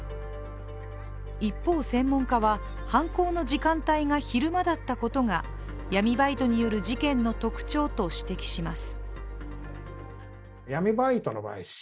一方、専門家は犯行の時間帯が昼間だったことが、闇バイトによる事件の特徴と指摘します。